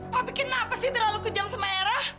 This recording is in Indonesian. papi kenapa sih terlalu kejam sama era